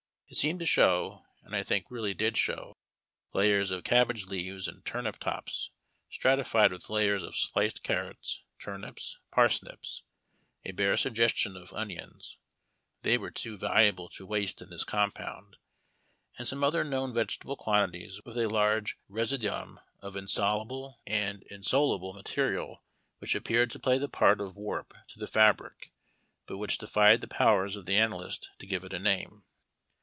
It seemed to show, and I think really did show, layers of cab bage leaves and turnip tops stratified with layers of sliced carrots, turnips, parsnips, a bare suggestion of onions, — they were too valuable to waste in this compound, — and some other among known vegetable quantities, with a large resid uum of insoluble and insolvable material which appeared to play the part of warp to the fabric, but which defied the powers of the analyst to give it a name.